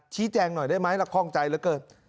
ชี้แจงหน่อยได้ไหมล่ะคล่องใจเหลือเกิน